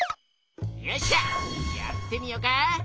よっしゃやってみよか！